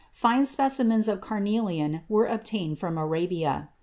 Fine specimens of carnelian were obtained from Arabia.